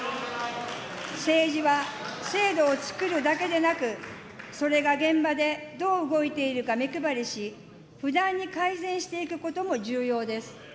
政治は制度をつくるだけでなく、それが現場でどう動いているか目配りし、不断に改善していくことも重要です。